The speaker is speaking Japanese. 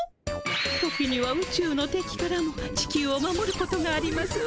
時には宇宙の敵からも地球を守ることがありますわ。